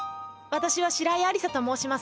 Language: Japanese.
私は白井ありさと申します。